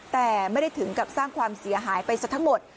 แต่ไม่ได้ถึงกับสร้างความเสียหายไปซะทั้งหมด